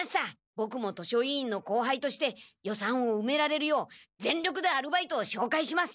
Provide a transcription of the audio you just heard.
ボクも図書委員の後輩として予算をうめられるよう全力でアルバイトをしょうかいします！